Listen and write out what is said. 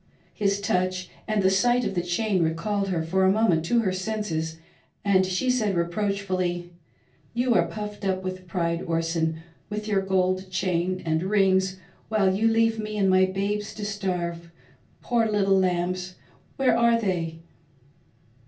His touch and the sight of the chain recalled her for a moment to her senses, and she said reproachfully — "You are puffed up with pride, Orson, with your gold chain and rings, while you leave me and my babes to starve. Poor little lambs! where are they.'"